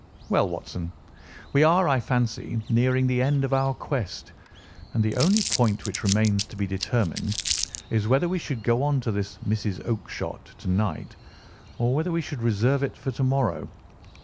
Well, Watson, we are, I fancy, nearing the end of our quest, and the only point which remains to be determined is whether we should go on to this Mrs. Oakshott to night, or whether we should reserve it for to morrow.